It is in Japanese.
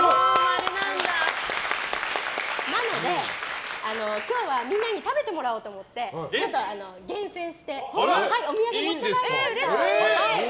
なので、今日はみんなに食べてもらおうと思ってちょっと厳選してお土産持ってきました。